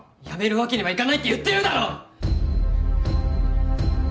やめるわけにはいかないって言ってるだろ！